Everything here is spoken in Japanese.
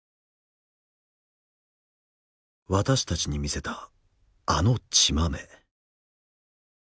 私たちに見せたあの血まめ。